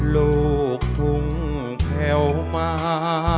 ลูกทุ่งแผ่วมา